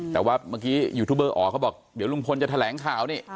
แต่ว่าเมื่อกี้ยูทูบเบอร์อ๋อเขาบอกเดี๋ยวลุงพลจะแถลงข่าวนี่